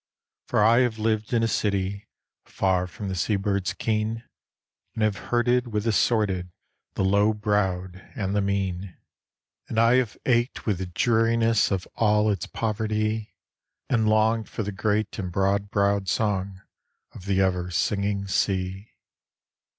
For I have lived in a city, far from the sea birds' keen, And have herded with the sordid, the low browed and the mean ; U IN THE NET OF THE STARS And I have ached with the dreariness of all its poverty, And longed for the great and broad browed song of the ever singing sea.